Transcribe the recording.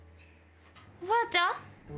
おばあちゃん？